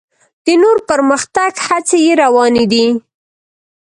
د نور پرمختګ هڅې یې روانې دي.